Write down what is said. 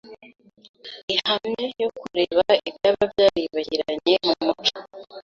ihamye yo kureba ibyaba byaribagiranye mu muco